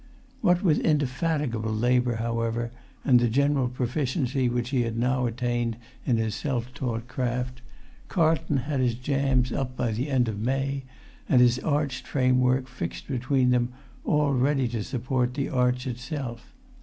What with indefatigable labour, however, and the general proficiency which he had now attained in his self taught craft, Carlton had his jambs up by the end of May, and his arched framework fixed between them, all ready to support the arch itself.